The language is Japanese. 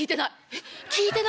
えっ聞いてないよ。